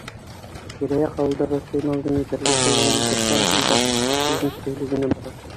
Тирә-яҡ ауылдарҙа сеймалдың етерлек булыуын иҫәпкә алғанда, бизнес көйлө генә бара.